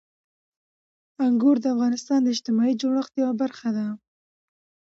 انګور د افغانستان د اجتماعي جوړښت یوه برخه ده.